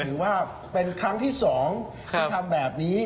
หรือว่าเป็นครั้งที่๒ที่ทำแบบนี้